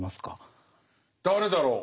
誰だろう。